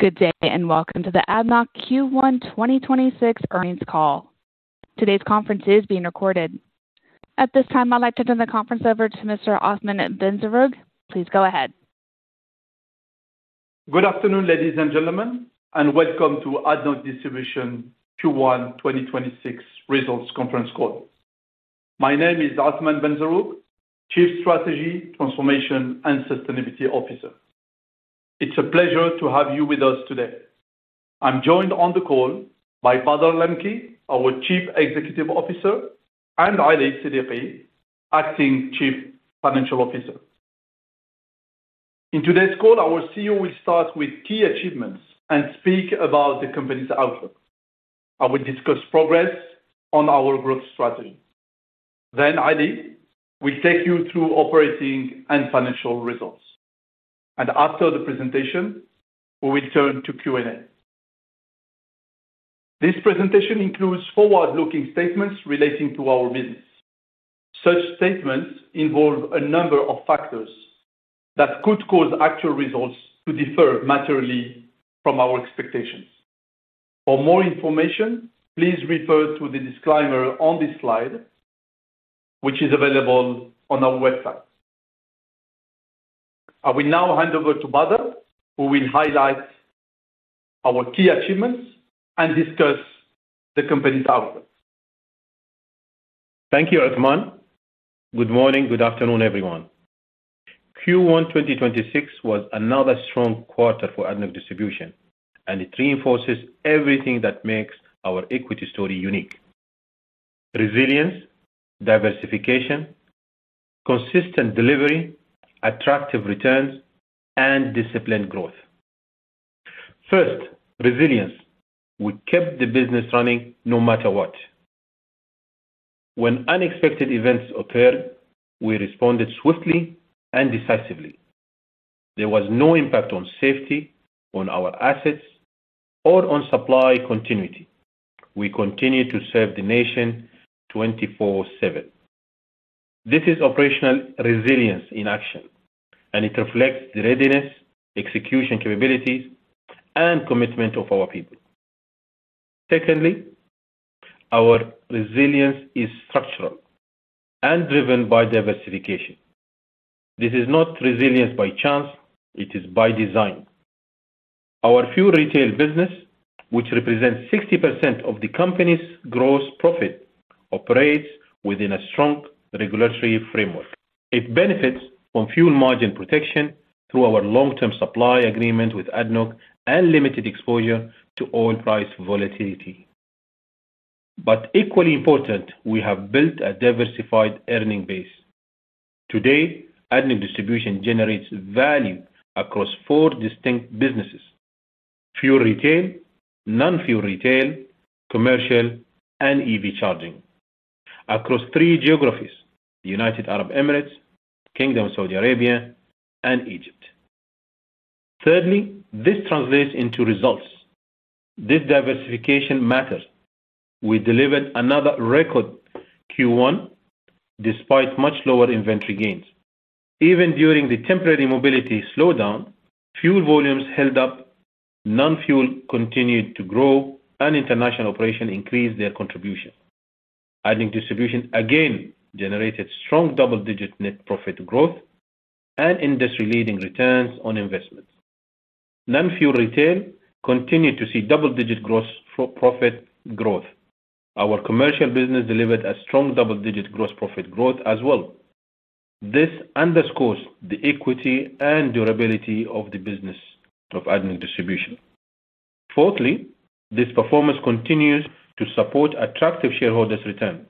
Good day, welcome to the ADNOC Q1 2026 earnings call. Today's conference is being recorded. At this time, I'd like to turn the conference over to Mr. Athmane Benzerroug. Please go ahead. Good afternoon, ladies and gentlemen, and welcome to ADNOC Distribution Q1 2026 results conference call. My name is Athmane Benzerroug, Chief Strategy, Transformation and Sustainability Officer. It's a pleasure to have you with us today. I'm joined on the call by Bader Al Lamki, our Chief Executive Officer, and Ali Siddiqi, Acting Chief Financial Officer. In today's call, our CEO will start with key achievements and speak about the company's outlook and will discuss progress on our growth strategy. Ali will take you through operating and financial results. After the presentation, we will turn to Q&A. This presentation includes forward-looking statements relating to our business. Such statements involve a number of factors that could cause actual results to differ materially from our expectations. For more information, please refer to the disclaimer on this slide, which is available on our website. I will now hand over to Bader Al Lamki, who will highlight our key achievements and discuss the company's outlook. Thank you, Athmane. Good morning, good afternoon, everyone. Q1 2026 was another strong quarter for ADNOC Distribution, and it reinforces everything that makes our equity story unique. Resilience, diversification, consistent delivery, attractive returns, and disciplined growth. First, resilience. We kept the business running no matter what. When unexpected events occurred, we responded swiftly and decisively. There was no impact on safety, on our assets, or on supply continuity. We continued to serve the nation 24/7. This is operational resilience in action, and it reflects the readiness, execution capabilities, and commitment of our people. Secondly, our resilience is structural and driven by diversification. This is not resilience by chance, it is by design. Our fuel retail business, which represents 60% of the company's gross profit, operates within a strong regulatory framework. It benefits from fuel margin protection through our long-term supply agreement with ADNOC and limited exposure to oil price volatility. Equally important, we have built a diversified earning base. Today, ADNOC Distribution generates value across four distinct businesses, fuel retail, non-fuel retail, commercial, and EV charging, across three geographies, the United Arab Emirates, Kingdom of Saudi Arabia, and Egypt. Thirdly, this translates into results. This diversification matters. We delivered another record Q1 despite much lower inventory gains. Even during the temporary mobility slowdown, fuel volumes held up, non-fuel continued to grow, and international operations increased their contribution. ADNOC Distribution again generated strong double-digit net profit growth and industry-leading returns on investments. Non-fuel retail continued to see double-digit gross profit growth. Our commercial business delivered a strong double-digit gross profit growth as well. This underscores the equity and durability of the business of ADNOC Distribution. Fourthly, this performance continues to support attractive shareholders return.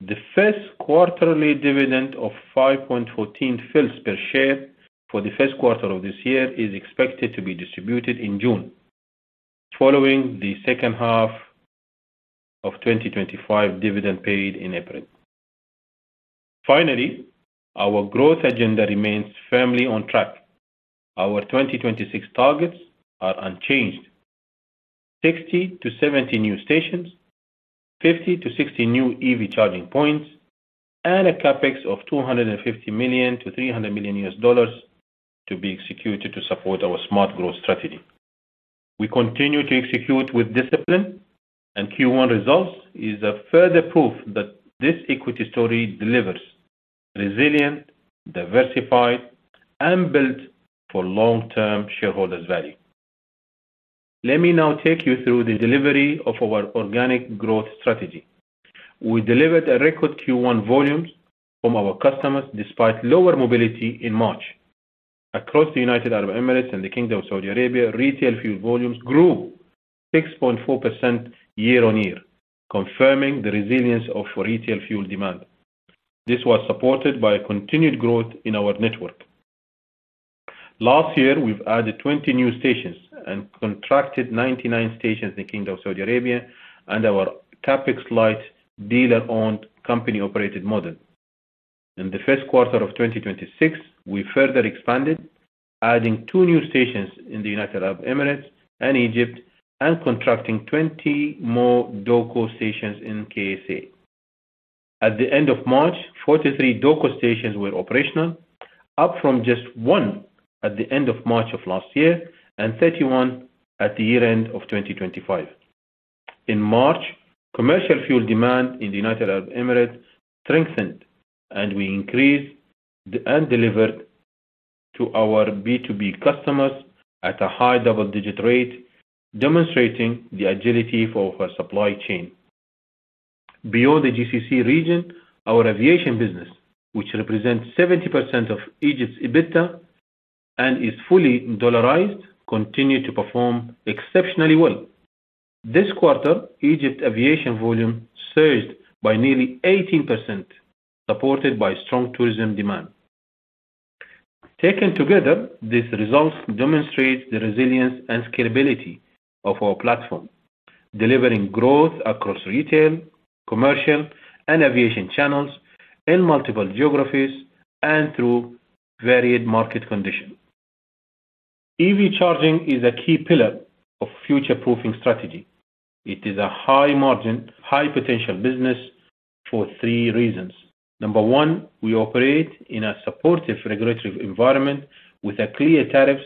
The first quarterly dividend of 0.0514 per share for the first quarter of this year is expected to be distributed in June, following the second half of 2025 dividend paid in April. Finally, our growth agenda remains firmly on track. Our 2026 targets are unchanged. 60-70 new stations, 50-60 new EV charging points, and a CapEx of $250 million-$300 million to be executed to support our smart growth strategy. We continue to execute with discipline, and Q1 results is a further proof that this equity story delivers resilient, diversified, and built for long-term shareholders value. Let me now take you through the delivery of our organic growth strategy. We delivered a record Q1 volumes from our customers despite lower mobility in March. Across the United Arab Emirates and the Kingdom of Saudi Arabia, retail fuel volumes grew 6.4% year on year, confirming the resilience of retail fuel demand. This was supported by continued growth in our network. Last year, we've added 20 new stations and contracted 99 stations in the Kingdom of Saudi Arabia under our CapEx light dealer-owned company-operated model. In Q1 2026, we further expanded, adding two new stations in the United Arab Emirates and Egypt and contracting 20 more DOCO stations in KSA. At the end of March, 43 DOCO stations were operational, up from just one at the end of March of last year and 31 at the year-end of 2025. In March, commercial fuel demand in the United Arab Emirates strengthened, and we increased and delivered to our B2B customers at a high double-digit rate, demonstrating the agility of our supply chain. Beyond the GCC region, our aviation business, which represents 70% of Egypt's EBITDA and is fully dollarized, continued to perform exceptionally well. This quarter, Egypt aviation volume surged by nearly 18%, supported by strong tourism demand. Taken together, these results demonstrate the resilience and scalability of our platform, delivering growth across retail, commercial, and aviation channels in multiple geographies and through varied market conditions. EV charging is a key pillar of future-proofing strategy. It is a high-margin, high-potential business for three reasons. Number one, we operate in a supportive regulatory environment with clear tariffs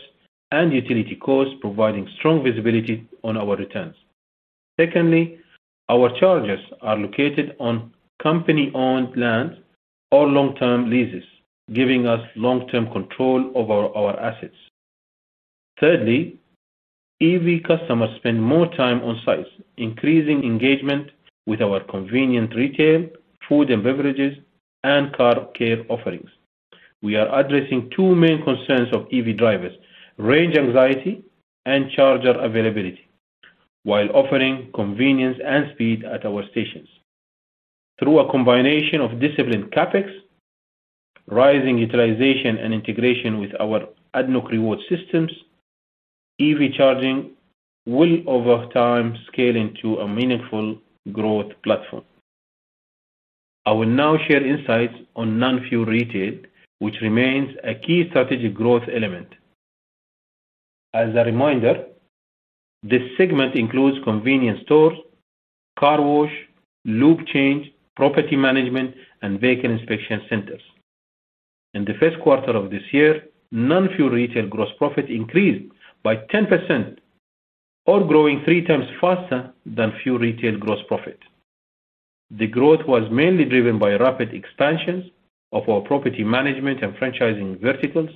and utility costs providing strong visibility on our returns. Secondly, our chargers are located on company-owned land or long-term leases, giving us long-term control over our assets. Thirdly, EV customers spend more time on site, increasing engagement with our convenient retail, food and beverages, and car care offerings. We are addressing two main concerns of EV drivers, range anxiety and charger availability, while offering convenience and speed at our stations. Through a combination of disciplined CapEx, rising utilization, and integration with our ADNOC Rewards, EV charging will over time scale into a meaningful growth platform. I will now share insights on non-fuel retail, which remains a key strategic growth element. As a reminder, this segment includes convenience stores, car wash, lube change, property management, and vehicle inspection centers. In the first quarter of this year, non-fuel retail gross profit increased by 10% or growing three times faster than fuel retail gross profit. The growth was mainly driven by rapid expansions of our property management and franchising verticals,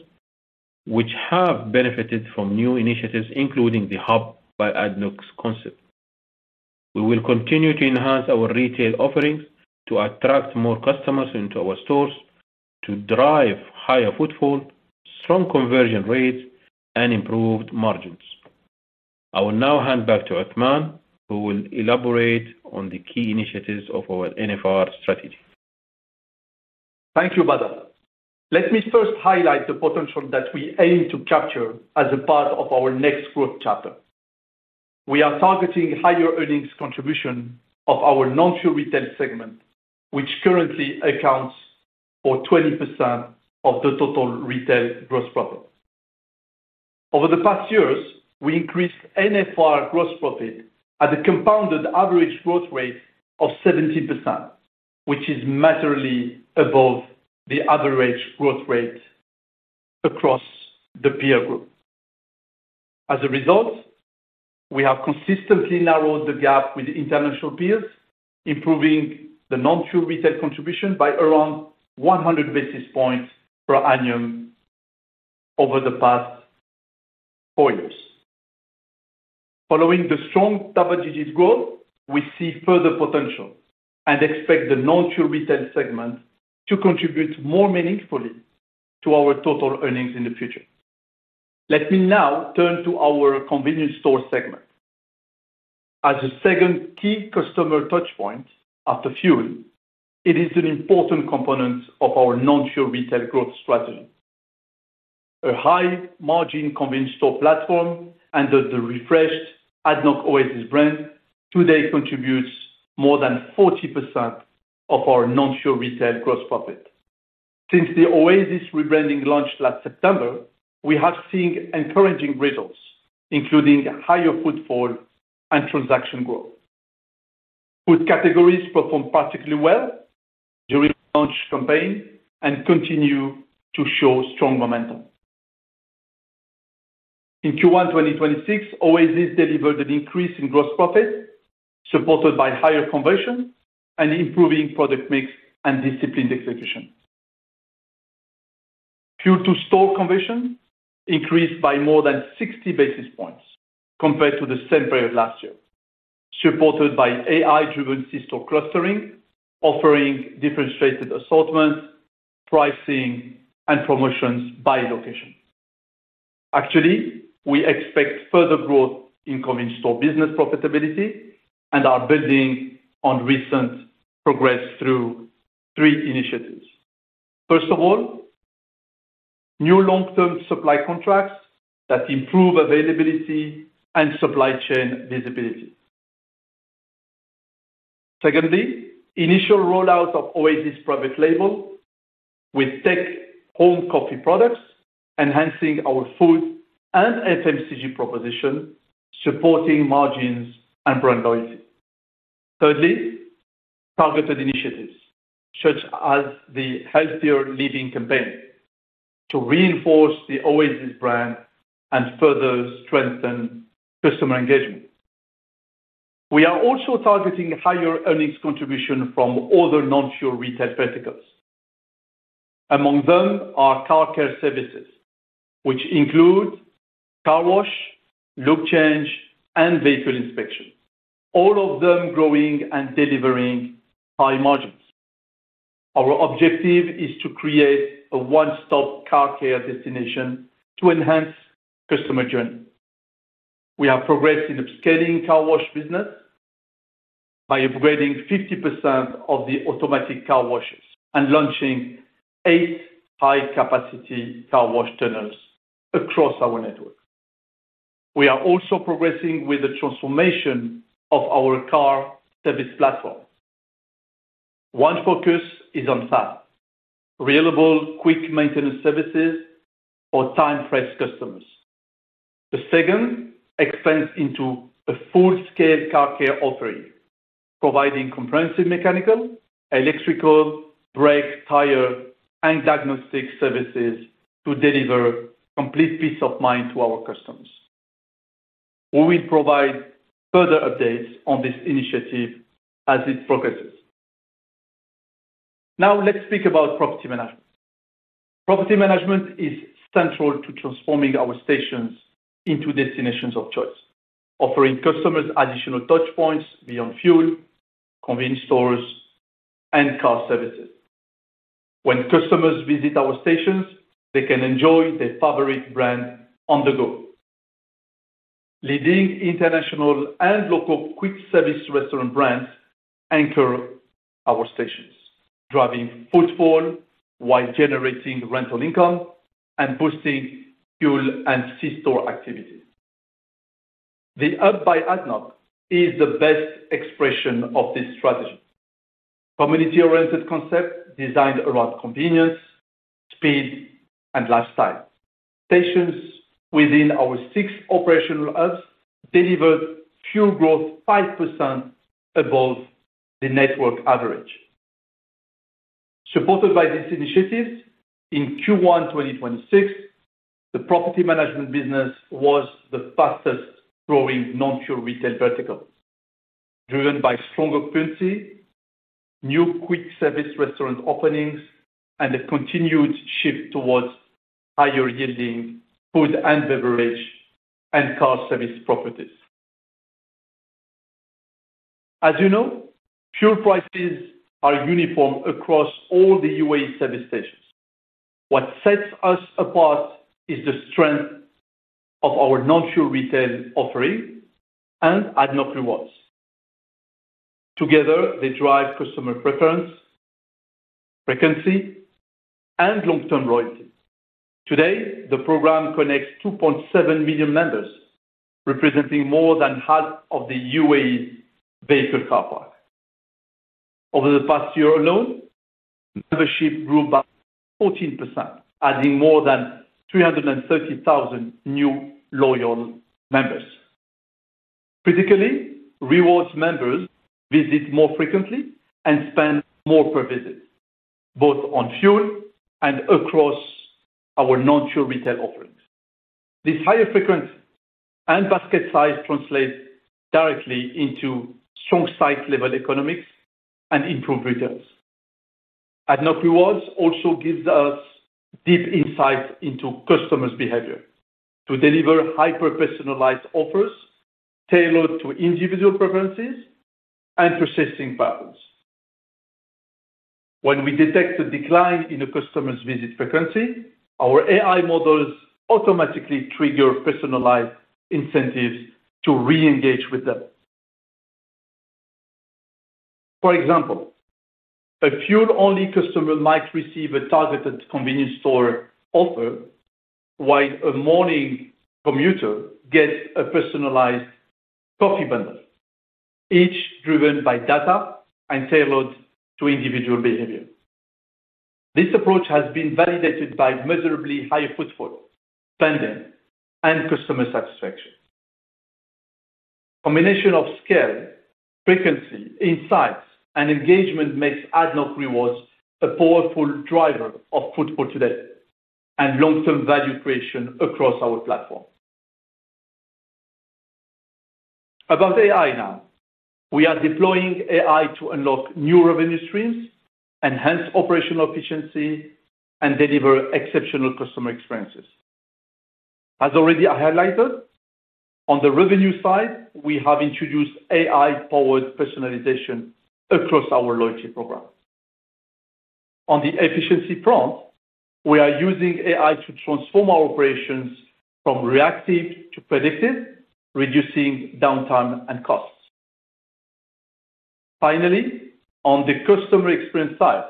which have benefited from new initiatives, including The Hub by ADNOC concept. We will continue to enhance our retail offerings to attract more customers into our stores to drive higher footfall, strong conversion rates, and improved margins. I will now hand back to Athmane, who will elaborate on the key initiatives of our NFR strategy. Thank you, Bader. Let me first highlight the potential that we aim to capture as a part of our next growth chapter. We are targeting higher earnings contribution of our non-fuel retail segment, which currently accounts for 20% of the total retail gross profit. Over the past years, we increased NFR gross profit at a compounded average growth rate of 17%, which is materially above the average growth rate across the peer group. As a result, we have consistently narrowed the gap with international peers, improving the non-fuel retail contribution by around 100 basis points per annum over the past four years. Following the strong double-digit growth, we see further potential and expect the non-fuel retail segment to contribute more meaningfully to our total earnings in the future. Let me now turn to our convenience store segment. As a second key customer touchpoint after fuel, it is an important component of our non-fuel retail growth strategy. A high-margin convenience store platform under the refreshed ADNOC Oasis brand today contributes more than 40% of our non-fuel retail gross profit. Since the Oasis rebranding launched last September, we have seen encouraging results, including higher footfall and transaction growth. Food categories performed particularly well during the launch campaign and continue to show strong momentum. In Q1 2026, Oasis delivered an increase in gross profit, supported by higher conversion and improving product mix and disciplined execution. Fuel-to-store conversion increased by more than 60 basis points compared to the same period last year, supported by AI-driven C-store clustering, offering differentiated assortment, pricing, and promotions by location. Actually, we expect further growth in convenience store business profitability and are building on recent progress through three initiatives. First of all, new long-term supply contracts that improve availability and supply chain visibility. Secondly, initial rollout of Oasis private label with take-home coffee products, enhancing our food and FMCG proposition, supporting margins and brand loyalty. Thirdly, targeted initiatives such as the Healthier Living campaign to reinforce the Oasis brand and further strengthen customer engagement. We are also targeting higher earnings contribution from other non-fuel retail verticals. Among them are car care services, which include car wash, lube change, and vehicle inspection, all of them growing and delivering high margins. Our objective is to create a one-stop car care destination to enhance customer journey. We are progressing upscaling car wash business by upgrading 50% of the automatic car washes and launching eight high-capacity car wash tunnels across our network. We are also progressing with the transformation of our car service platform. One focus is on fast, reliable, quick maintenance services for time-pressed customers. The second expands into a full-scale car care offering, providing comprehensive mechanical, electrical, brake, tire, and diagnostic services to deliver complete peace of mind to our customers. We will provide further updates on this initiative as it progresses. Now let's speak about property management. Property management is central to transforming our stations into destinations of choice, offering customers additional touchpoints beyond fuel, convenience stores, and car services. When customers visit our stations, they can enjoy their favorite brand on the go. Leading international and local quick service restaurant brands anchor our stations, driving footfall while generating rental income and boosting fuel and C-store activities. The Hub by ADNOC is the best expression of this strategy. Community-oriented concept designed around convenience, speed, and lifestyle. Stations within our six operational hubs delivered fuel growth 5% above the network average. Supported by these initiatives, in Q1 2026, the property management business was the fastest-growing non-fuel retail vertical, driven by stronger infancy, new quick service restaurant openings, and a continued shift towards higher-yielding food and beverage and car service properties. As you know, fuel prices are uniform across all the UAE service stations. What sets us apart is the strength of our non-fuel retail offering and ADNOC Rewards. Together, they drive customer preference, frequency, and long-term loyalty. Today, the program connects 2.7 million members, representing more than half of the UAE vehicle car park. Over the past year alone, membership grew by 14%, adding more than 330,000 new loyal members. Critically, Rewards members visit more frequently and spend more per visit, both on fuel and across our non-fuel retail offerings. This higher frequency and basket size translate directly into strong site level economics and improved returns. ADNOC Rewards also gives us deep insight into customers' behavior to deliver hyper-personalized offers tailored to individual preferences and purchasing patterns. When we detect a decline in a customer's visit frequency, our AI models automatically trigger personalized incentives to reengage with them. For example, a fuel-only customer might receive a targeted convenience store offer while a morning commuter gets a personalized coffee bundle, each driven by data and tailored to individual behavior. This approach has been validated by measurably higher footfall, spending, and customer satisfaction. Combination of scale, frequency, insights, and engagement makes ADNOC Rewards a powerful driver of footfall today and long-term value creation across our platform. About AI now. We are deploying AI to unlock new revenue streams, enhance operational efficiency, and deliver exceptional customer experiences. As already highlighted, on the revenue side, we have introduced AI-powered personalization across our loyalty program. On the efficiency front, we are using AI to transform our operations from reactive to predictive, reducing downtime and costs. Finally, on the customer experience side,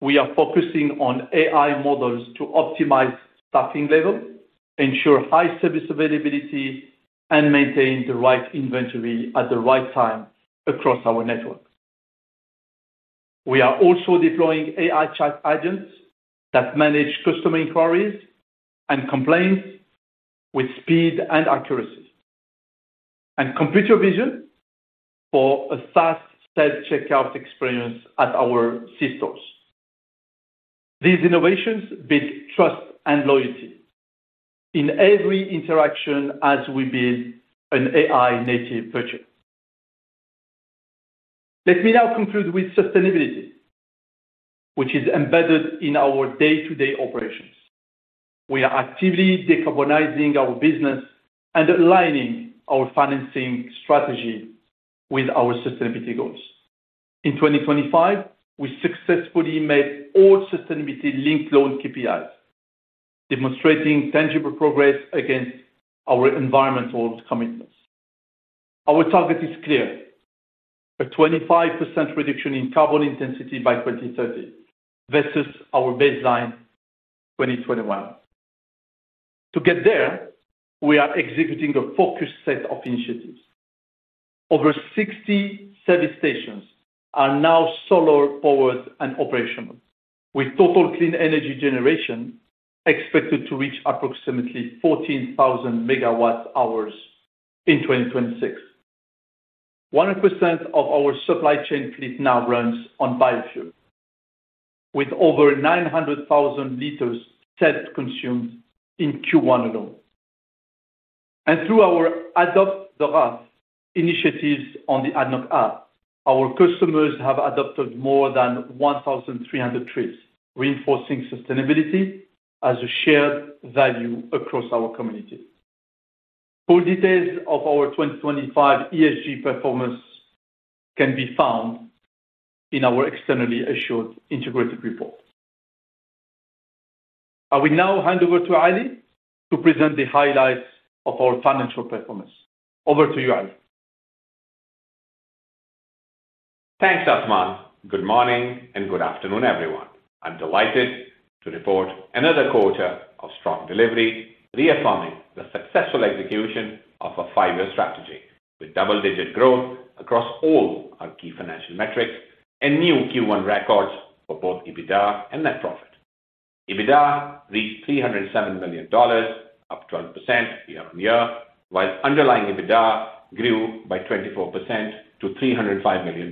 we are focusing on AI models to optimize staffing levels, ensure high service availability and maintain the right inventory at the right time across our network. We are also deploying AI chat agents that manage customer inquiries and complaints with speed and accuracy. Computer vision for a fast self-checkout experience at our C-stores. These innovations build trust and loyalty in every interaction as we build an AI-native purchase. Let me now conclude with sustainability, which is embedded in our day-to-day operations. We are actively decarbonizing our business and aligning our financing strategy with our sustainability goals. In 2025, we successfully made all sustainability linked loan KPIs, demonstrating tangible progress against our environmental commitments. Our target is clear, a 25% reduction in carbon intensity by 2030 versus our baseline, 2021. To get there, we are executing a focused set of initiatives. Over 60 service stations are now solar powered and operational, with total clean energy generation expected to reach approximately 14,000 MWh in 2026. 100% of our supply chain fleet now runs on biofuel, with over 900,000 liters self-consumed in Q1 alone. Through our Adopt a Tree initiatives on the ADNOC Rewards app, our customers have adopted more than 1,300 trees, reinforcing sustainability as a shared value across our community. Full details of our 2025 ESG performance can be found in our externally assured integrated report. I will now hand over to Ali to present the highlights of our financial performance. Over to you, Ali. Thanks, Athmane. Good morning and good afternoon, everyone. I am delighted to report another quarter of strong delivery, reaffirming the successful execution of a five-year strategy with double-digit growth across all our key financial metrics and new Q1 records for both EBITDA and net profit. EBITDA reached AED 307 million, up 12% year on year, while underlying EBITDA grew by 24% to AED 305 million,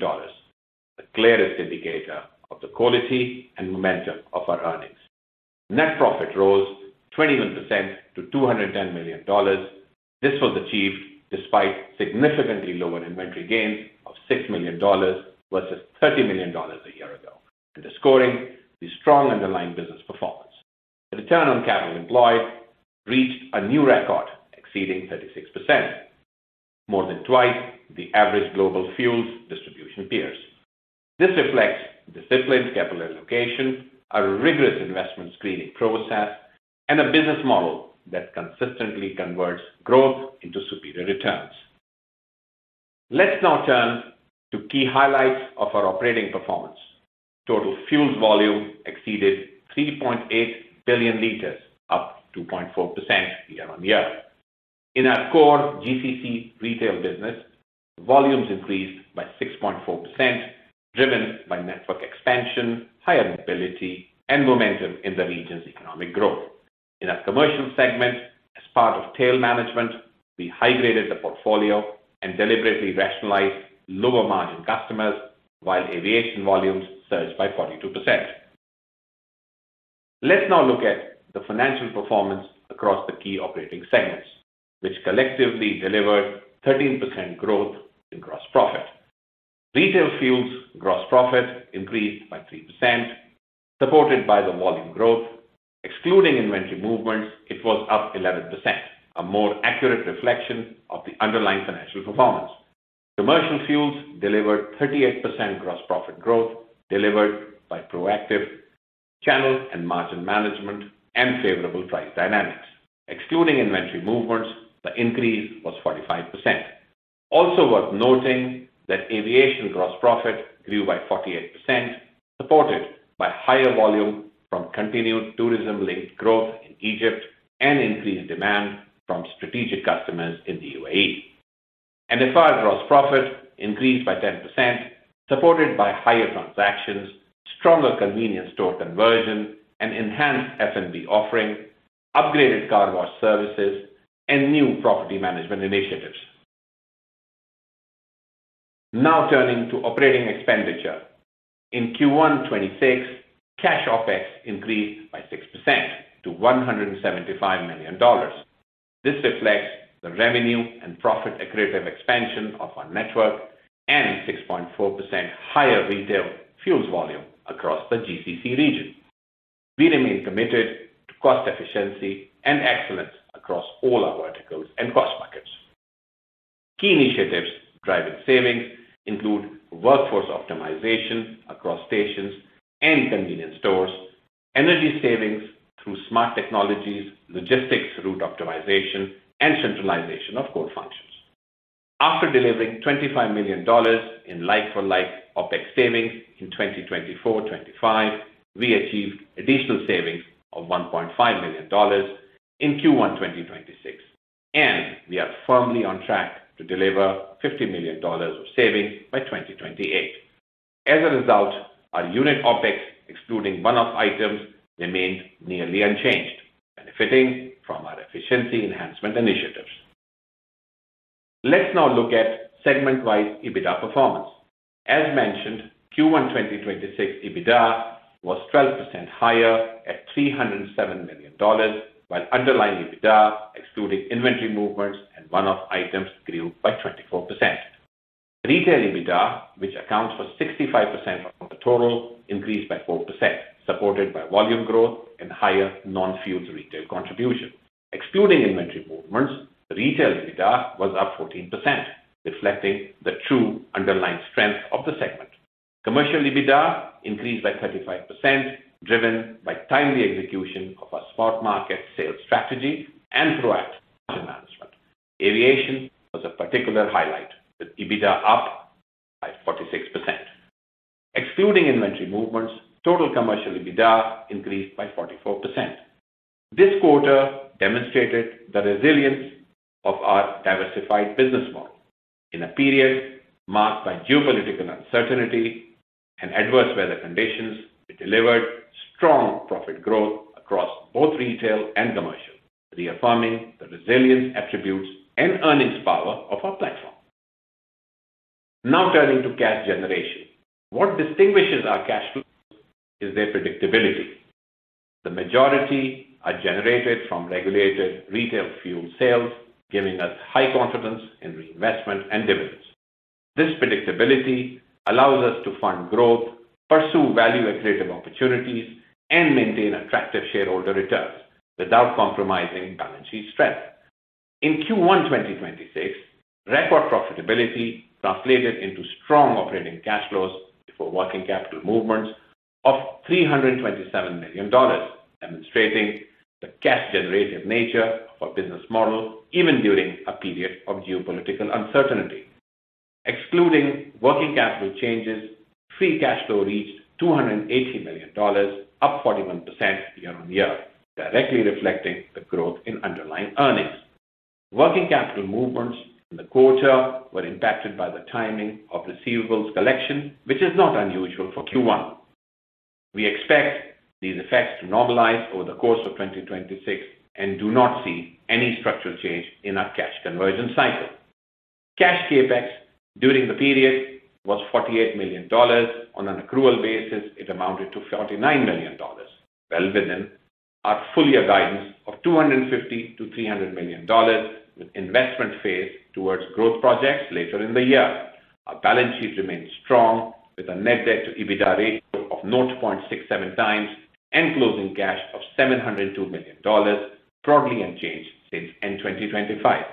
the clearest indicator of the quality and momentum of our earnings. Net profit rose 21% to AED 210 million. This was achieved despite significantly lower inventory gains of AED 6 million versus AED 30 million a year ago, underscoring the strong underlying business performance. The return on capital employed reached a new record exceeding 36%, more than twice the average global fuels distribution peers. This reflects disciplined capital allocation, a rigorous investment screening process, and a business model that consistently converts growth into superior returns. Let's now turn to key highlights of our operating performance. Total fuels volume exceeded 3.8 billion liters, up 2.4% year on year. In our core GCC retail business, volumes increased by 6.4%, driven by network expansion, higher mobility, and momentum in the region's economic growth. In our commercial segment, as part of tail management, we high-graded the portfolio and deliberately rationalized lower margin customers, while aviation volumes surged by 42%. Let's now look at the financial performance across the key operating segments, which collectively delivered 13% growth in gross profit. Retail fuels gross profit increased by 3%, supported by the volume growth. Excluding inventory movements, it was up 11%, a more accurate reflection of the underlying financial performance. Commercial fuels delivered 38% gross profit growth delivered by proactive channel and margin management and favorable price dynamics. Excluding inventory movements, the increase was 45%. Also worth noting that aviation gross profit grew by 48%, supported by higher volume from continued tourism-linked growth in Egypt and increased demand from strategic customers in the UAE. The NFR gross profit increased by 10%, supported by higher transactions, stronger convenience store conversion, enhanced F&B offering, upgraded car wash services, and new property management initiatives. Now turning to operating expenditure. In Q1 2026, cash OpEx increased by 6% to AED 175 million. This reflects the revenue and profit accretive expansion of our network and 6.4% higher retail fuels volume across the GCC region. We remain committed to cost efficiency and excellence across all our verticals and cost markets. Key initiatives driving savings include workforce optimization across stations and convenience stores, energy savings through smart technologies, logistics route optimization, and centralization of core functions. After delivering AED 25 million in like for like OpEx savings in 2024, 2025, we achieved additional savings of AED 1.5 million in Q1 2026, and we are firmly on track to deliver AED 50 million of savings by 2028. As a result, our unit OpEx, excluding one-off items, remained nearly unchanged, benefiting from our efficiency enhancement initiatives. Let's now look at segment-wide EBITDA performance. As mentioned, Q1 2026 EBITDA was 12% higher at AED 307 million, while underlying EBITDA, excluding inventory movements and one-off items, grew by 24%. Retail EBITDA, which accounts for 65% of the total, increased by 4%, supported by volume growth and higher non-fuels retail contribution. Excluding inventory movements, retail EBITDA was up 14%, reflecting the true underlying strength of the segment. Commercial EBITDA increased by 35%, driven by timely execution of our spot market sales strategy and through our margin management. Aviation was a particular highlight, with EBITDA up by 46%. Excluding inventory movements, total commercial EBITDA increased by 44%. This quarter demonstrated the resilience of our diversified business model. In a period marked by geopolitical uncertainty and adverse weather conditions, we delivered strong profit growth across both retail and commercial, reaffirming the resilience attributes and earnings power of our platform. Turning to cash generation. What distinguishes our cash flows is their predictability. The majority are generated from regulated retail fuel sales, giving us high confidence in reinvestment and dividends. This predictability allows us to fund growth, pursue value-accretive opportunities, and maintain attractive shareholder returns without compromising balance sheet strength. In Q1 2026, record profitability translated into strong operating cash flows before working capital movements of AED 327 million, demonstrating the cash-generative nature of our business model even during a period of geopolitical uncertainty. Excluding working capital changes, free cash flow reached AED 280 million, up 41% year on year, directly reflecting the growth in underlying earnings. Working capital movements in the quarter were impacted by the timing of receivables collection, which is not unusual for Q1. We expect these effects to normalize over the course of 2026 and do not see any structural change in our cash conversion cycle. Cash CapEx during the period was $48 million. On an accrual basis, it amounted to $49 million, well within our full-year guidance of $250 million-$300 million, with investment phase towards growth projects later in the year. Our balance sheet remains strong, with a net debt to EBITDA ratio of 0.67x and closing cash of $702 million, broadly unchanged since end 2025.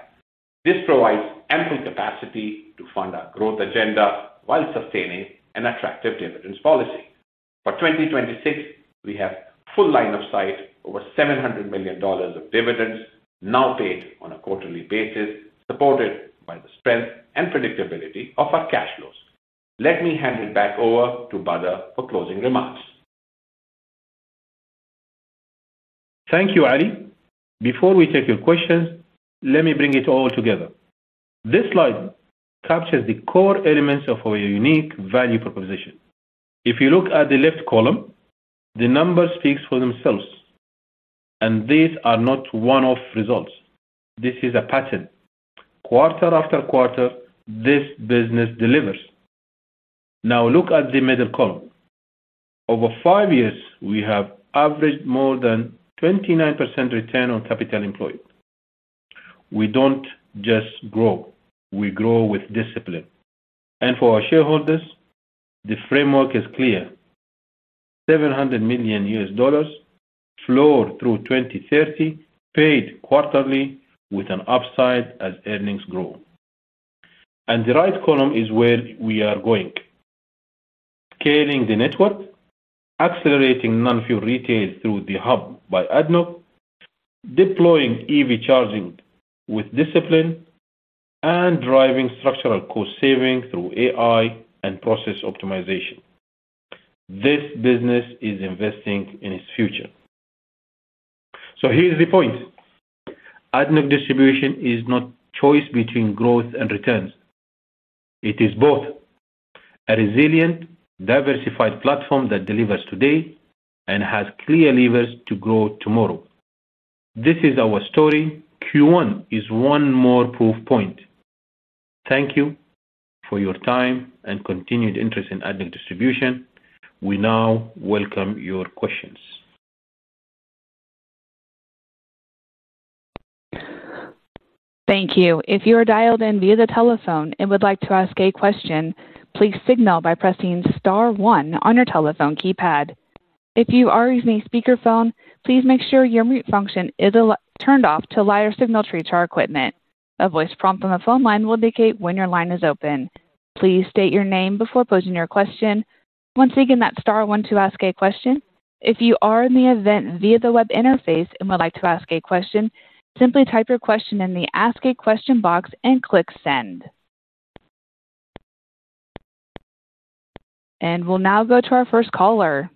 This provides ample capacity to fund our growth agenda while sustaining an attractive dividends policy. For 2026, we have full line of sight over $700 million of dividends now paid on a quarterly basis, supported by the strength and predictability of our cash flows. Let me hand it back over to Bader for closing remarks. Thank you, Ali. Before we take your questions, let me bring it all together. This slide captures the core elements of our unique value proposition. If you look at the left column, the numbers speaks for themselves. These are not one-off results. This is a pattern. Quarter after quarter, this business delivers. Now look at the middle column. Over five years, we have averaged more than 29% return on capital employed. We don't just grow. We grow with discipline. For our shareholders, the framework is clear. $700 million flow through 2030 paid quarterly with an upside as earnings grow. The right column is where we are going. Scaling the network, accelerating non-fuel retail through The Hub by ADNOC, deploying EV charging with discipline, and driving structural cost savings through AI and process optimization. This business is investing in its future. Here's the point. ADNOC Distribution is not choice between growth and returns. It is both. A resilient, diversified platform that delivers today and has clear levers to grow tomorrow. This is our story. Q1 is one more proof point. Thank you for your time and continued interest in ADNOC Distribution. We now welcome your questions. Thank you. If you are dialed in via the telephone and would like to ask a question, please signal by pressing star one on your telephone keypad. If you are using a speakerphone, please make sure your mute function is all turned off to allow your signal through to our equipment. A voice prompt on the phone line will indicate when your line is open. Please state your name before posing your question. Once again, that star one to ask a question. If you are in the event via the web interface and would like to ask a question, simply type your question in the Ask a Question box and click Send. We'll now go to our first caller.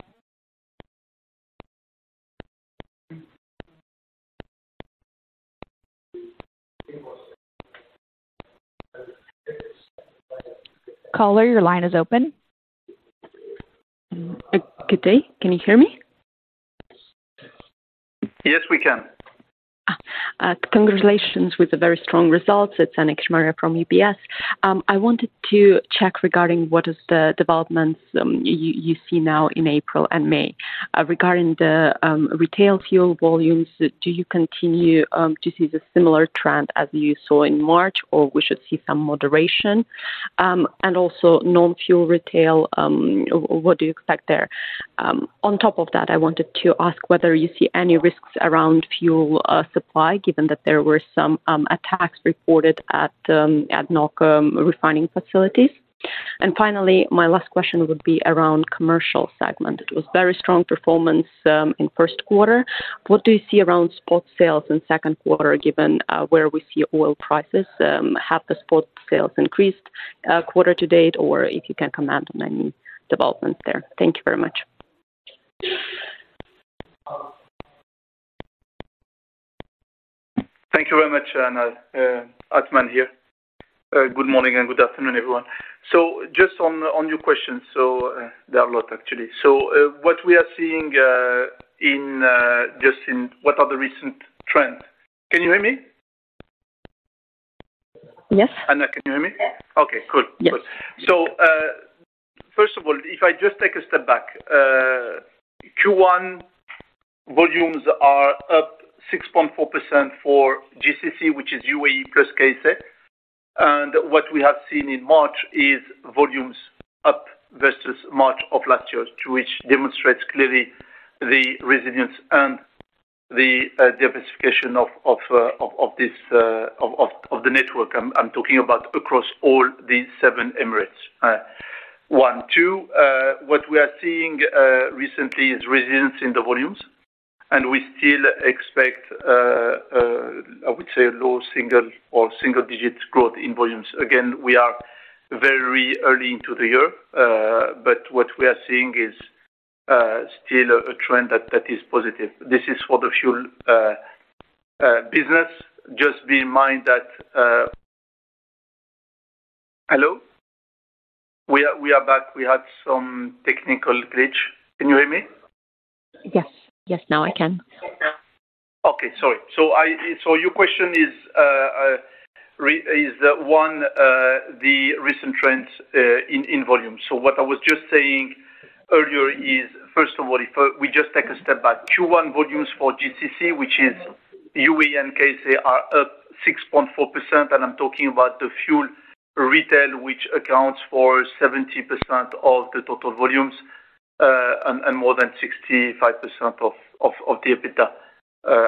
Caller, your line is open. Good day. Can you hear me? Yes, we can. Congratulations with the very strong results. It's Anna Kishmariya from UBS. I wanted to check regarding what is the developments you see now in April and May. Regarding the retail fuel volumes, do you continue to see the similar trend as you saw in March, or we should see some moderation? Also non-fuel retail, what do you expect there? On top of that, I wanted to ask whether you see any risks around fuel supply, given that there were some attacks reported at ADNOC refining facilities. Finally, my last question would be around commercial segment. It was very strong performance in first quarter. What do you see around spot sales in second quarter, given where we see oil prices? Have the spot sales increased quarter to date, or if you can comment on any developments there. Thank you very much. Thank you very much, Anna. Athmane here. Good morning and good afternoon, everyone. Just on your questions, there are a lot actually. What we are seeing in just in what are the recent trends. Can you hear me? Yes. Anna, can you hear me? Yes. Okay, cool. Yes. First of all, if I just take a step back, Q1 volumes are up 6.4% for GCC, which is UAE plus KSA. What we have seen in March is volumes up versus March of last year, to which demonstrates clearly the resilience and the diversification of this, of the network. I'm talking about across all the seven Emirates. One, two, what we are seeing recently is resilience in the volumes, and we still expect I would say low single or single-digit growth in volumes. Again, we are very early into the year, but what we are seeing is still a trend that is positive. This is for the fuel business. Just bear in mind that, Hello? We are back. We had some technical glitch. Can you hear me? Yes. Yes, now I can. Okay, sorry. Your question is, one, the recent trends in volume. What I was just saying earlier is, first of all, if we just take a step back. Q1 volumes for GCC, which is UAE and KSA, are up 6.4%, and I'm talking about the fuel retail, which accounts for 70% of the total volumes and more than 65% of the EBITDA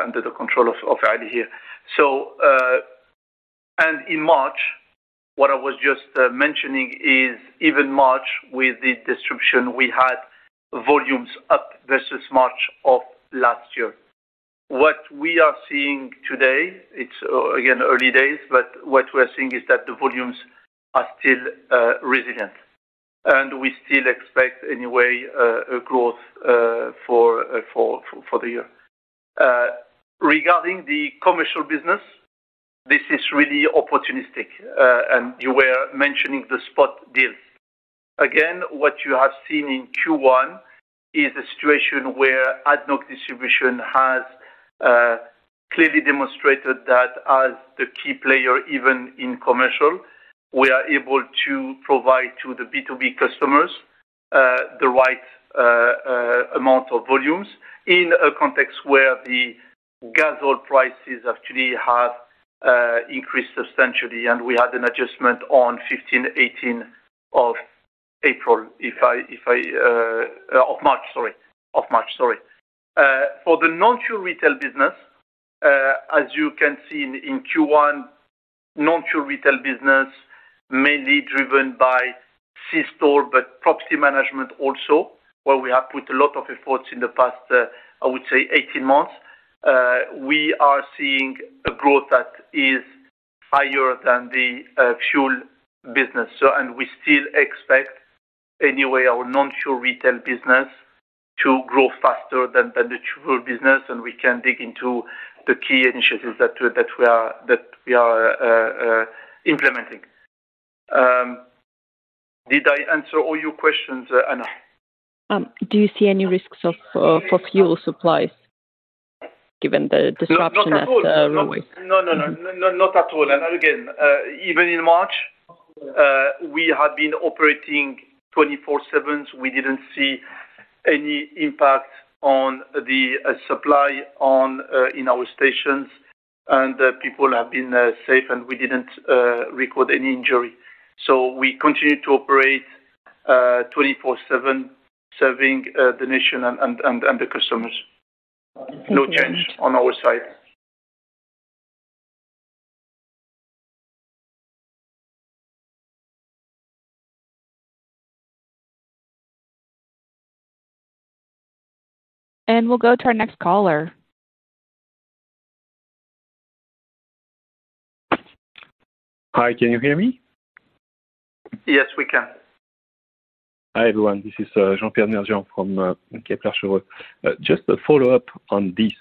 under the control of Ali Siddiqi here. In March, what I was just mentioning is even March with the disruption, we had volumes up versus March of last year. What we are seeing today, it's again, early days, but what we are seeing is that the volumes are still resilient. We still expect anyway a growth for the year. Regarding the commercial business, this is really opportunistic. You were mentioning the spot deals. Again, what you have seen in Q1 is a situation where ADNOC Distribution has clearly demonstrated that as the key player, even in commercial, we are able to provide to the B2B customers the right amount of volumes in a context where the gas oil prices actually have increased substantially, and we had an adjustment on 15, 18 of April, if I of March, sorry. For the non-fuel retail business, as you can see in Q1, non-fuel retail business mainly driven by C-store, but property management also, where we have put a lot of efforts in the past, I would say 18 months. We are seeing a growth that is higher than the fuel business. We still expect anyway our non-fuel retail business to grow faster than the fuel business, and we can dig into the key initiatives that we are implementing. Did I answer all your questions, Anna? Do you see any risks for fuel supplies given the disruption at refineries? No, not at all. No, no. Not at all. Again, even in March, we had been operating 24/7. We didn't see any impact on the supply in our stations, and people have been safe, and we didn't record any injury. We continue to operate 24/7, serving the nation and the customers. Thank you. No change on our side. We'll go to our next caller. Hi, can you hear me? Yes, we can. Hi, everyone. This is Jean-Pierre DMIRDJIAN from Cheuvreux. Just a follow-up on this,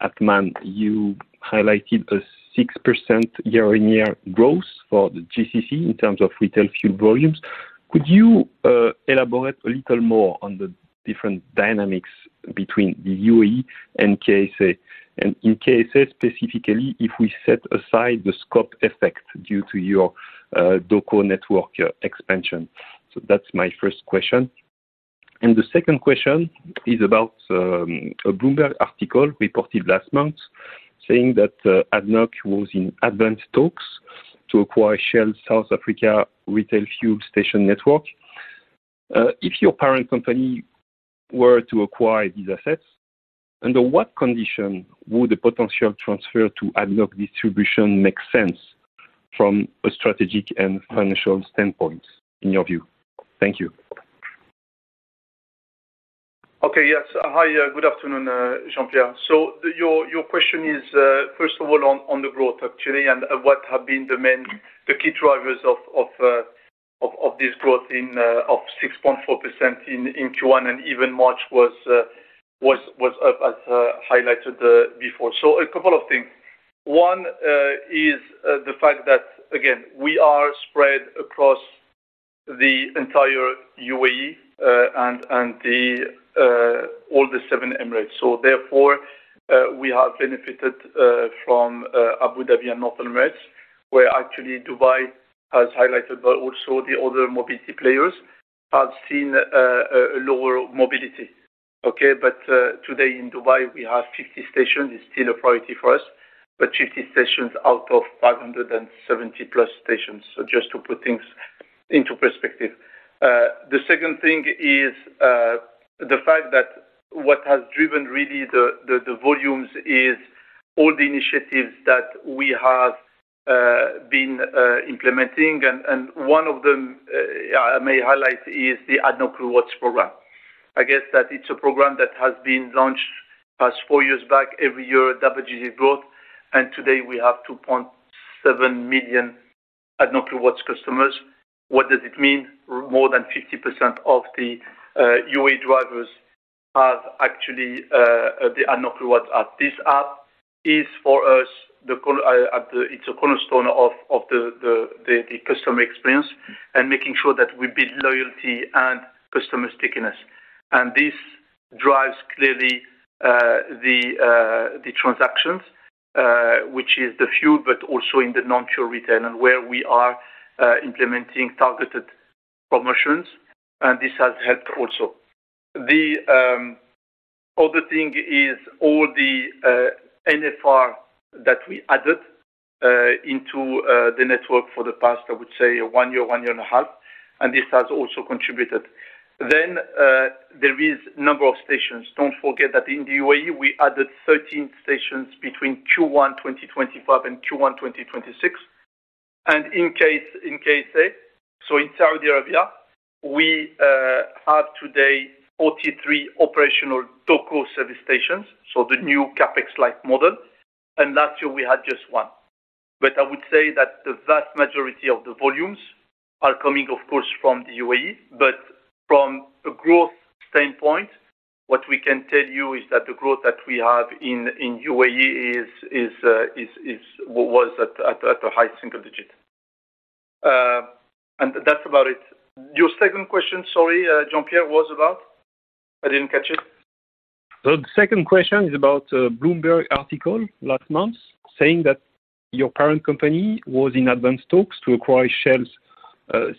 Athmane, you highlighted a 6% year-on-year growth for the GCC in terms of retail fuel volumes. Could you elaborate a little more on the different dynamics between the UAE and KSA? In KSA specifically, if we set aside the scope effect due to your DOCO network expansion. That's my first question. The second question is about a Bloomberg article reported last month saying that ADNOC was in advanced talks to acquire Shell South Africa retail fuel station network. If your parent company were to acquire these assets, under what condition would the potential transfer to ADNOC Distribution make sense from a strategic and financial standpoint, in your view? Thank you. Okay. Yes. Hi. Good afternoon, Jean-Pierre. Your question is, first of all on the growth actually and what have been the main, the key drivers of this growth in 6.4% in Q1 and even March was up as highlighted before. A couple of things. One is the fact that, again, we are spread across the entire UAE and all the seven Emirates. Therefore, we have benefited from Abu Dhabi and Northern Emirates, where actually Dubai has highlighted, but also the other mobility players have seen a lower mobility. Okay. But today in Dubai, we have 50 stations. It's still a priority for us, but 50 stations out of 570+ stations. Just to put things into perspective. The second thing is the fact that what has driven really the volumes is all the initiatives that we have been implementing. One of them I may highlight is the ADNOC Rewards program. I guess that it's a program that has been launched as four years back every year double-digit growth, and today we have 2.7 million ADNOC Rewards customers. What does it mean? More than 50% of the UAE drivers have actually the ADNOC Rewards app. This app is for us It's a cornerstone of the customer experience and making sure that we build loyalty and customer stickiness. This drives clearly the transactions, which is the fuel, but also in the non-fuel retail and where we are implementing targeted promotions. This has helped also. The other thing is all the NFR that we added into the network for the past, I would say one year, one year and a half, this has also contributed. There is number of stations. Don't forget that in the UAE, we added 13 stations between Q1 2025 and Q1 2026. In case, in KSA, so in Saudi Arabia, we have today 43 operational DOCO service stations, so the new CapEx-light model. Last year we had just one. I would say that the vast majority of the volumes are coming, of course, from the UAE. From a growth standpoint, what we can tell you is that the growth that we have in UAE was at a high single digit. That's about it. Your second question, sorry, Jean-Pierre, was about? I didn't catch it. The second question is about a Bloomberg article last month saying that your parent company was in advanced talks to acquire Shell's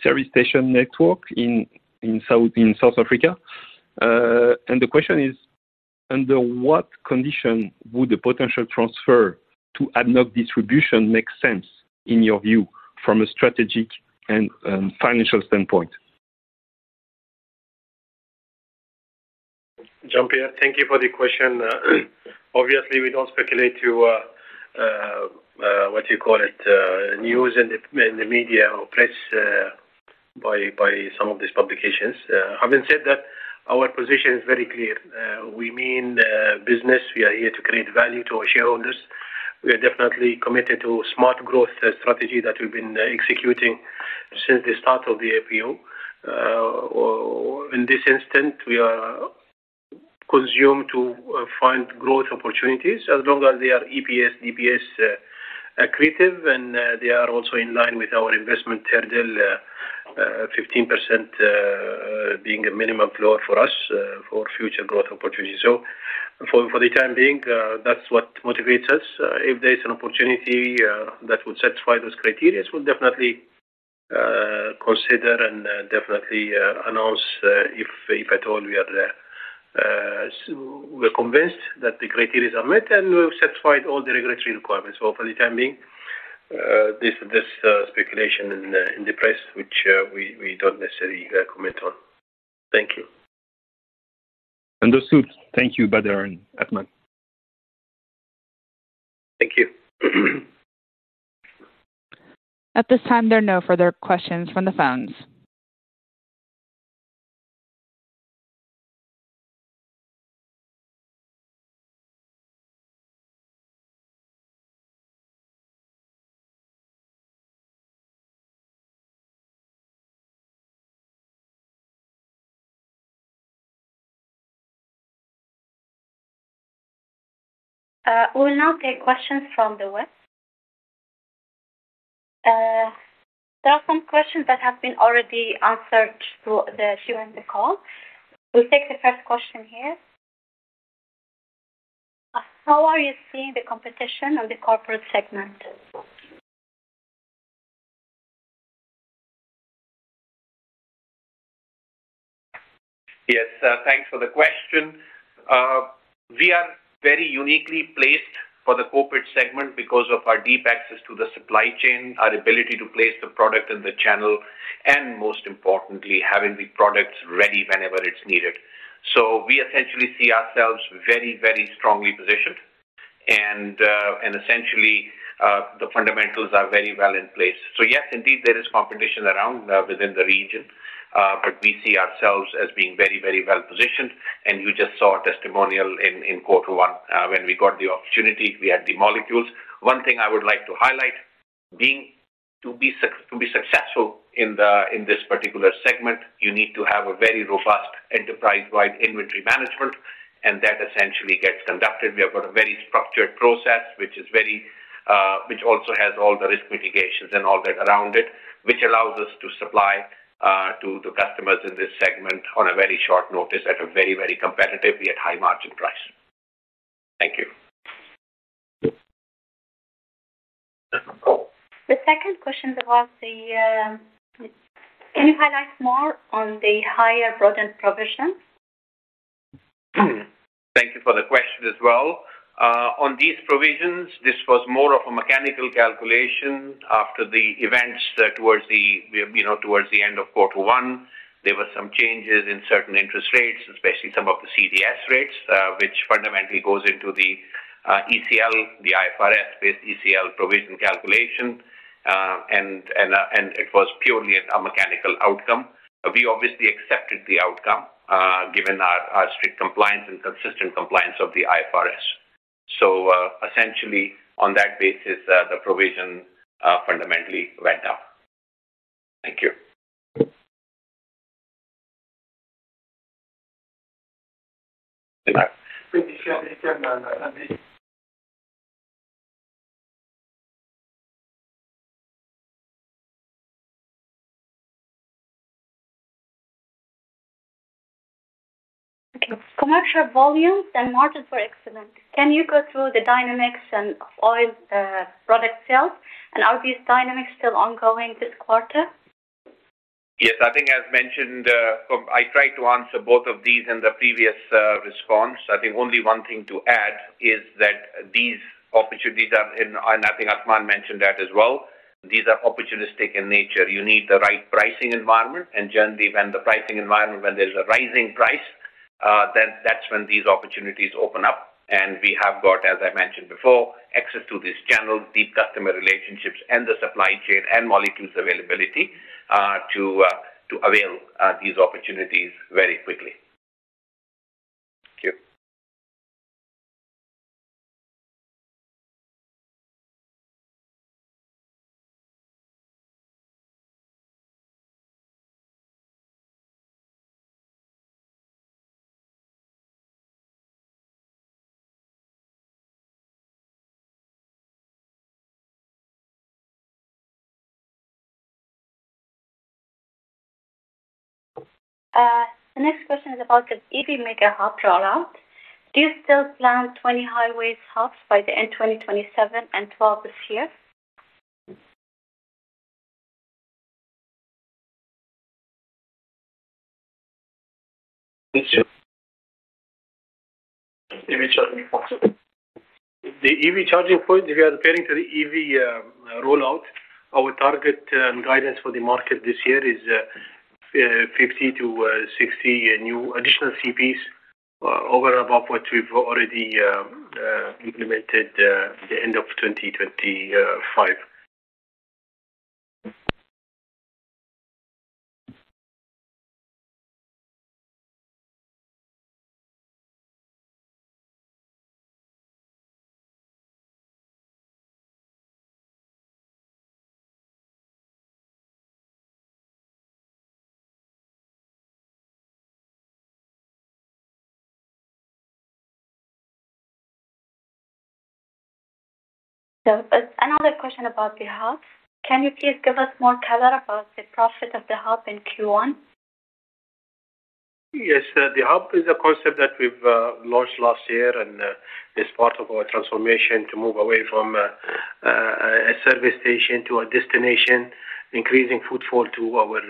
service station network in South Africa. The question is, under what condition would the potential transfer to ADNOC Distribution make sense in your view from a strategic and financial standpoint? Jean-Pierre, thank you for the question. Obviously, we don't speculate to what you call it, news in the media or press, by some of these publications. Having said that, our position is very clear. We mean business. We are here to create value to our shareholders. We are definitely committed to smart growth strategy that we've been executing since the start of the IPO. In this instance, we are consumed to find growth opportunities as long as they are EPS, DPS, accretive, and they are also in line with our investment hurdle, 15% being a minimum floor for us for future growth opportunities. For the time being, that's what motivates us. If there's an opportunity that would satisfy those criteria, we'll definitely consider and definitely announce if at all we are convinced that the criteria are met and we've satisfied all the regulatory requirements. For the time being, this speculation in the press, which we don't necessarily comment on. Thank you. Understood. Thank you, Bader and Athmane. Thank you. At this time, there are no further questions from the phones. We'll now take questions from the web. There are some questions that have been already answered through the Q&A call. We'll take the first question here. How are you seeing the competition on the corporate segment? Thanks for the question. We are very uniquely placed for the corporate segment because of our deep access to the supply chain, our ability to place the product in the channel, and most importantly, having the products ready whenever it's needed. We essentially see ourselves very, very strongly positioned. Essentially, the fundamentals are very well in place. Yes, indeed, there is competition around within the region, but we see ourselves as being very, very well-positioned. You just saw a testimonial in quarter one when we got the opportunity, we had the molecules. One thing I would like to highlight, to be successful in this particular segment, you need to have a very robust enterprise-wide inventory management, and that essentially gets conducted. We have got a very structured process, which is very, which also has all the risk mitigations and all that around it, which allows us to supply to customers in this segment on a very short notice at a very, very competitive, yet high-margin price. Thank you. Next one, go. The second question was, can you highlight more on the higher broadened provisions? Thank you for the question as well. On these provisions, this was more of a mechanical calculation after the events, you know, towards the end of quarter one. There were some changes in certain interest rates, especially some of the CDS rates, which fundamentally goes into the ECL, the IFRS-based ECL provision calculation. It was purely a mechanical outcome. We obviously accepted the outcome given our strict compliance and consistent compliance of the IFRS. Essentially, on that basis, the provision fundamentally went up. Thank you. Next. Okay. Commercial volumes and margin for excellence. Can you go through the dynamics and oil product sales? Are these dynamics still ongoing this quarter? Yes. I think as mentioned, I tried to answer both of these in the previous response. I think only one thing to add is that these opportunities are in, and I think Athmane mentioned that as well. These are opportunistic in nature. You need the right pricing environment. Generally, when the pricing environment, when there's a rising price, then that's when these opportunities open up. We have got, as I mentioned before, access to this channel, deep customer relationships and the supply chain and molecules availability, to avail these opportunities very quickly. Thank you. The next question is about the EV mega hub rollout. Do you still plan 20 highways hubs by the end of 2027 and 12 this year? EV charging point. The EV charging point, if you are referring to the EV rollout, our target and guidance for the market this year is 50 to 60 new additional CPs, over and above what we've already implemented at the end of 2025. Another question about the Hub. Can you please give us more color about the profit of the Hub in Q1? Yes. The Hub is a concept that we've launched last year and is part of our transformation to move away from a service station to a destination, increasing footfall to our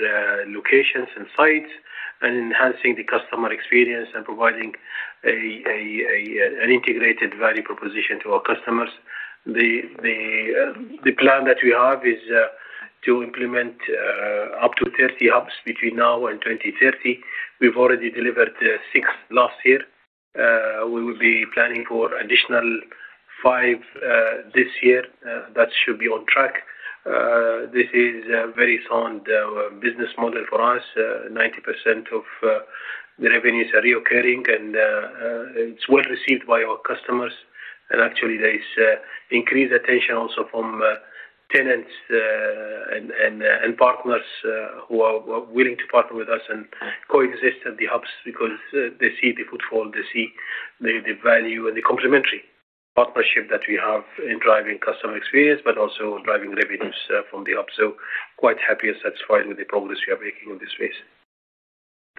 locations and sites, and enhancing the customer experience and providing an integrated value proposition to our customers. The plan that we have is to implement up to 30 hubs between now and 2030. We've already delivered six last year. We will be planning for additional five this year. That should be on track. This is a very sound business model for us. 90% of the revenues are recurring, and it's well-received by our customers. Actually, there is increased attention also from tenants, and, and partners, who are willing to partner with us and coexist at the Hubs because they see the footfall, they see the value and the complementary partnership that we have in driving customer experience, but also driving revenues from the Hub. Quite happy and satisfied with the progress we are making in this space.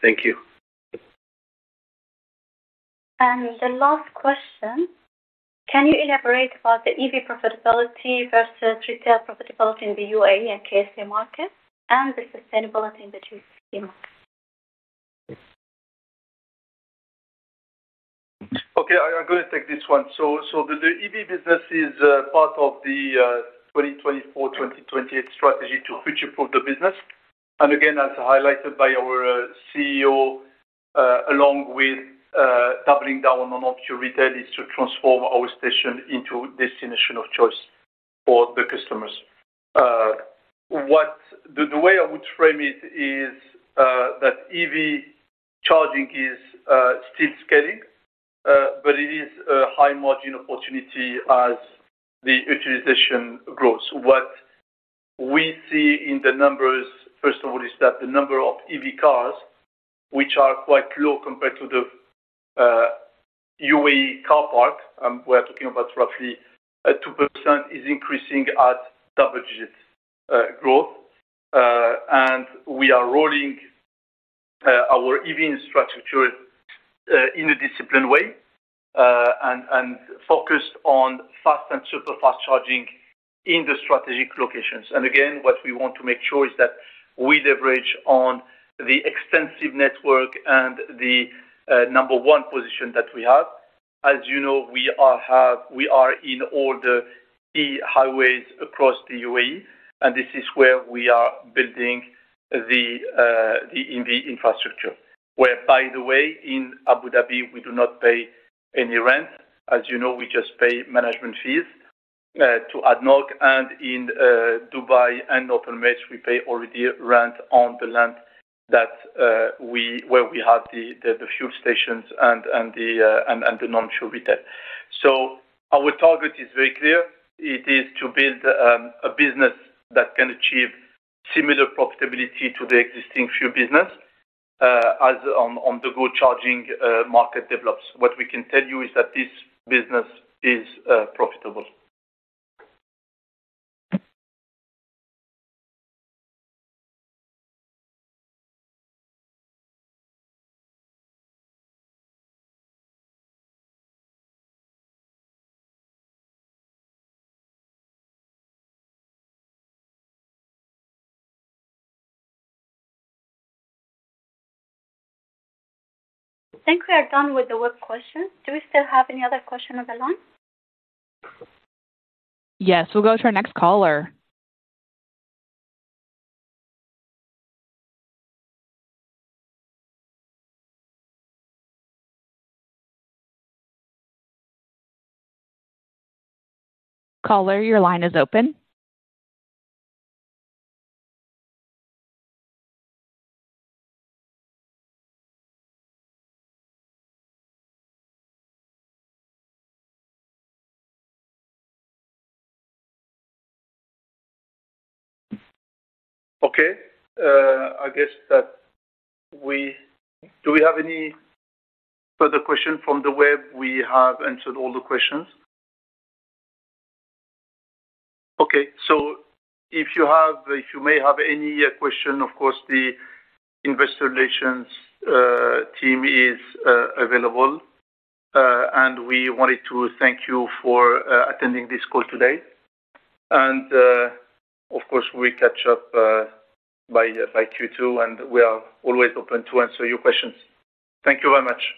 Thank you. The last question, can you elaborate about the EV profitability versus retail profitability in the UAE and K.S.A. market and the sustainability in the two key markets? Okay, I'm gonna take this one. The EV business is part of the 2024-2028 strategy to future-proof the business. Again, as highlighted by our CEO, along with doubling down on non-fuel retail is to transform our station into destination of choice for the customers. The way I would frame it is that EV charging is still scaling, but it is a high margin opportunity as the utilization grows. What we see in the numbers, first of all, is that the number of EV cars, which are quite low compared to the UAE car park, we're talking about roughly 2%, is increasing at double digits growth. We are rolling our EV infrastructure in a disciplined way and focused on fast and super fast charging in the strategic locations. Again, what we want to make sure is that we leverage on the extensive network and the number one position that we have. As you know, we are in all the key highways across the UAE, and this is where we are building the EV infrastructure. Where, by the way, in Abu Dhabi, we do not pay any rent. As you know, we just pay management fees to ADNOC. In Dubai and Northern Emirates, we pay already rent on the land that we, where we have the fuel stations and the non-fuel retail. Our target is very clear. It is to build, a business that can achieve similar profitability to the existing fuel business, as on the go charging, market develops. What we can tell you is that this business is profitable. I think we are done with the web questions. Do we still have any other question on the line? Yes, we'll go to our next caller. Caller, your line is open. Do we have any further question from the web? We have answered all the questions. Okay. If you may have any question, of course, the investor relations team is available. We wanted to thank you for attending this call today. Of course, we catch up by Q2, and we are always open to answer your questions. Thank you very much.